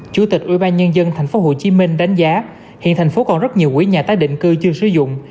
chủ tịch ubnd tp hcm đánh giá hiện thành phố còn rất nhiều quỹ nhà tái định cư chưa sử dụng